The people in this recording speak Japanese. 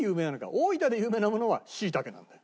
大分で有名なものはシイタケなんだよ。